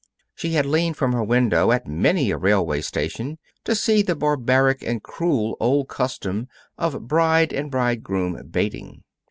She had leaned from her window at many a railway station to see the barbaric and cruel old custom of bride and bridegroom baiting.